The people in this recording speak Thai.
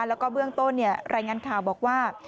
แล้วก็เบื้องต้นรายงานข่าวบอกว่า